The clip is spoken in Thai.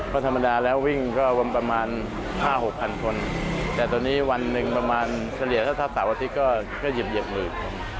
ก็ธรรมดาแล้ววิ่งก็ประมาณห้าหกพันคนแต่ตอนนี้วันหนึ่งประมาณเสรียศาสตร์สาวอาทิตย์ก็หยิบเหยียบหลืบ